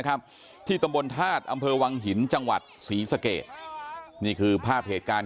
ครับที่ตำบลธาตุอำเภอวังหินจังหวัดศรีสเกตนี่คือภาพเหตุการณ์